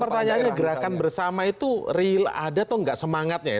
pertanyaannya gerakan bersama itu real ada atau nggak semangatnya ya